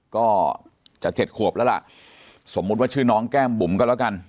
ก็จะ๗ขวบแล้วล่ะสมมุติว่าชื่อน้องแก้มบุ๋มก็แล้วกัน